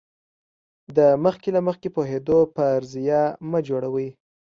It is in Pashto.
د مخکې له مخکې پوهېدو فرضیه مه جوړوئ.